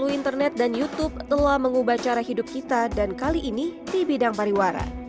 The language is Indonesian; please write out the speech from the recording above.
melalui internet dan youtube telah mengubah cara hidup kita dan kali ini di bidang pariwara